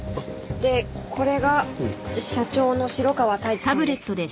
でこれが社長の城川太一さんです。